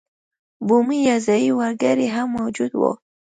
بومي یا ځايي وګړي هم موجود وو.